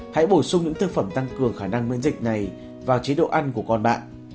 hãy bổ sung những thực phẩm tăng cường khả năng miễn dịch này vào chế độ ăn của con bạn